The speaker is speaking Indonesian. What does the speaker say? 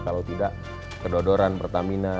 kalau tidak kedodoran pertamina